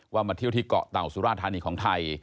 มาเที่ยวที่เกาะเต่าสุราธานีของไทย